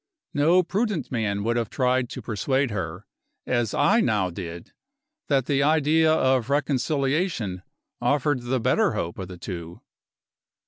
No prudent man would have tried to persuade her, as I now did, that the idea of reconciliation offered the better hope of the two.